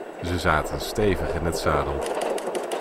Ze zaten stevig in het zadel.